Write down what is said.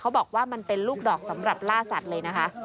บอกว่ามันเป็นลูกดอกสำหรับล่าสัตว์เลยนะคะ